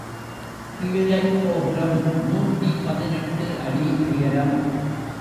கீழைக்கோபுரம் நூற்றி பதினெட்டு அடி உயரம்.